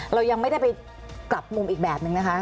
เรายังไม่ได้ไปกลับมุมอีกแบบนึงนะคะ